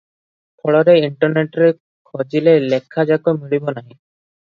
ଫଳରେ ଇଣ୍ଟରନେଟରେ ଖୋଜିଲେ ଲେଖାଯାକ ମିଳିବ ନାହିଁ ।